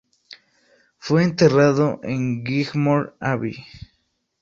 Fue enterrado en Wigmore Abbey.